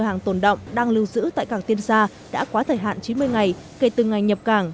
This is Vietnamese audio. hàng tồn động đang lưu giữ tại cảng tiên sa đã quá thời hạn chín mươi ngày kể từ ngày nhập cảng